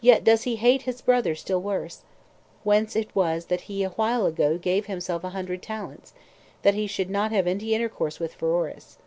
Yet does he hate his brother still worse; whence it was that he a while ago gave himself a hundred talents, that he should not have any intercourse with Pheroras.